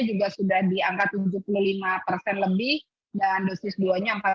juga sudah di angka tujuh puluh lima persen lebih dan dosis dua nya empat puluh empat enam puluh dua